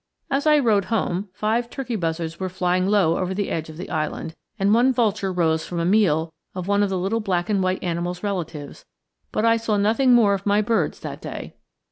As I rode home, five turkey buzzards were flying low over the edge of the island, and one vulture rose from a meal of one of the little black and white animal's relatives, but I saw nothing more of my birds that day.